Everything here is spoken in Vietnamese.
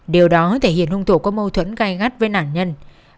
điều đó thể hiện hung thủ có mâu thuẫn gai gắt với nạn nhân